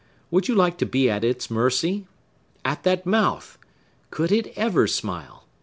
Would you like to be at its mercy? At that mouth! Could it ever smile?